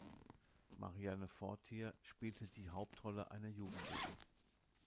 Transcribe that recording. Marianne Fortier spielte die Hauptrolle einer Jugendlichen.